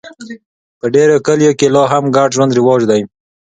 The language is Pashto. په ډېرو کلیو کې لا هم ګډ ژوند رواج دی.